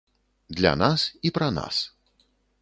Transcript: Для нас і пра нас.